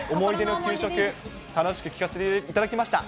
給食、楽しく聞かせていただきました。